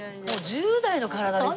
１０代の体ですね。